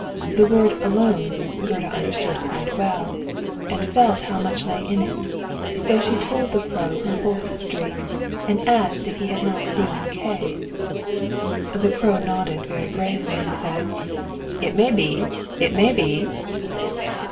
The word "alone" Gerda understood quite well, and felt how much lay in it; so she told the Crow her whole history, and asked if he had not seen Kay. The Crow nodded very gravely, and said, "It may be it may be!"